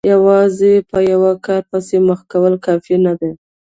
یوازې په یوه کار پسې مخه کول کافي نه دي.